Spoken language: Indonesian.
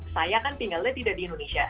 saya kan tinggalnya tidak di indonesia